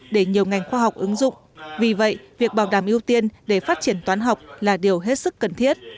để nhiều ngành khoa học ứng dụng vì vậy việc bảo đảm ưu tiên để phát triển toán học là điều hết sức cần thiết